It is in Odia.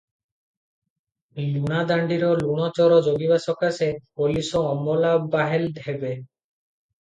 ଲୁଣାଦାଣ୍ଡିର ଲୁଣ ଚୋର ଜଗିବା ସକାଶେ ପୋଲିଶ ଅମଲା ବାହେଲ ହେବେ ।